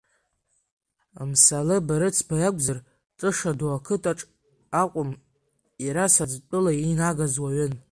Мсалы Барыцба иакәзар, Тышаду ақыҭаҿ акәым, иара Саӡтәыла инагаз уаҩын.